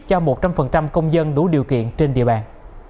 cho một trăm linh công dân đủ điều kiện trên địa bàn